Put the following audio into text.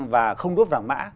và không đốt vàng mã